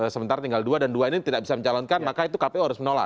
sementara tinggal dua dan dua ini tidak bisa mencalonkan maka itu kpu harus menolak